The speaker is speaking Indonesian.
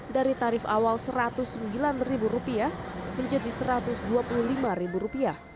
dari tarif awal rp satu ratus sembilan menjadi rp satu ratus dua puluh lima